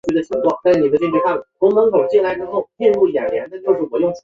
出身自爱知县。